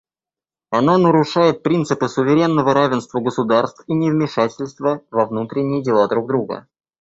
Она нарушает принципы суверенного равенства государств и невмешательства во внутренние дела друг друга.